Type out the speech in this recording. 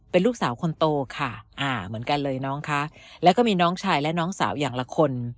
เป็นลูกสาวคนโตค่ะอ่าเหมือนกันเลยน้องคะแล้วก็มีน้องชายและน้องสาวอย่างละคน